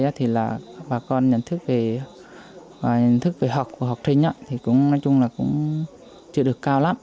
nói chung là khoảng thời gian mà em mới vô đây thì là bà con nhận thức về học của học sinh thì cũng nói chung là cũng chịu được cao lắm